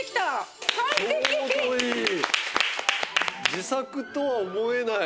自作とは思えない。